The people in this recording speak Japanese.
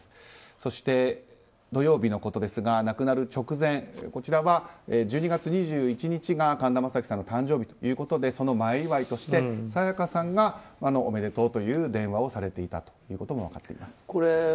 そして、土曜日のことですが亡くなる直前こちらは１２月２１日が神田正輝さんの誕生日ということでその前祝いとして沙也加さんがおめでとうという電話をされていたということも分かっています。